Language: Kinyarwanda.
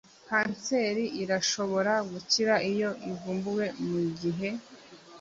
Kanseri irashobora gukira iyo ivumbuwe mugihe